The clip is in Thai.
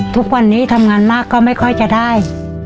ทุกวันนี้ทำงานมากก็ไม่ค่อยจะได้